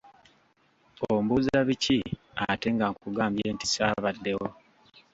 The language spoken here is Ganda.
Ombuuza biki ate nga nkugambye nti ssaabaddewo?